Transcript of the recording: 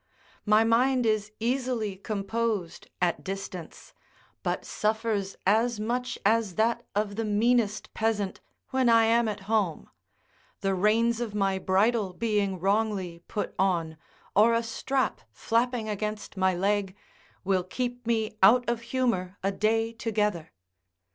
My mind is easily composed at distance, but suffers as much as that of the meanest peasant when I am at home; the reins of my bridle being wrongly put on, or a strap flapping against my leg, will keep me out of humour a day together.